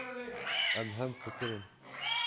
Em hemfikir in.